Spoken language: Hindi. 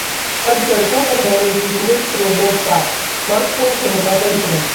अब सड़कों पर दौड़ेगी Google की रोबोट कार, स्मार्टफोन से होगा संचालन